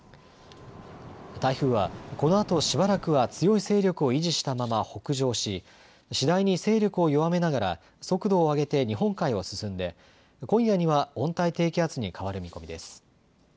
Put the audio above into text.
台風はこのあとしばらくは強い勢力を維持したまま北上し次第に勢力を弱めながら速度を上げて日本海を進んで今夜には温帯低気圧に変わる見込みです。